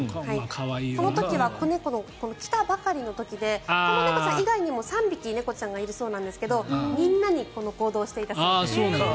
その時は子猫、来たばかりの時でこの猫ちゃん以外にも３匹猫ちゃんがいるそうなんですがみんなにこの行動をしていたそうです。